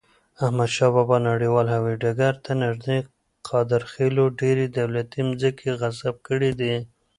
احمدشاه بابا نړیوال هوایی ډګر ته نږدې قادرخیلو ډیري دولتی مځکي غصب کړي دي.